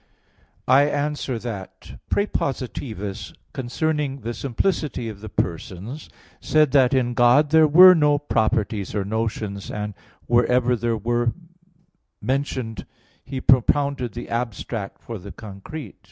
I answer that, Prepositivus, considering the simplicity of the persons, said that in God there were no properties or notions, and wherever there were mentioned, he propounded the abstract for the concrete.